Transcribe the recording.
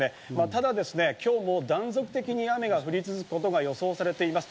ただ今日も断続的に雨が降り続くことが予想されています。